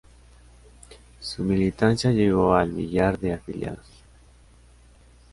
Su militancia llegó al millar de afiliados.